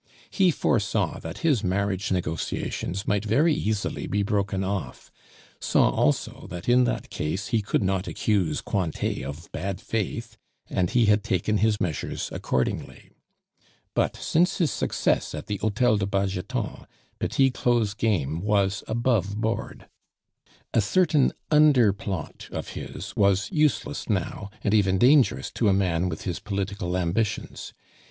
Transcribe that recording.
He foresaw that his marriage negotiations might very easily be broken off, saw also that in that case he could not accuse Cointet of bad faith, and he had taken his measures accordingly. But since his success at the Hotel de Bargeton, Petit Claud's game was above board. A certain under plot of his was useless now, and even dangerous to a man with his political ambitions.